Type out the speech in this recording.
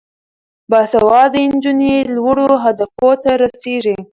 باسواده نجونې لوړو اهدافو ته رسیږي.